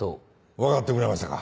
分かってくれましたか？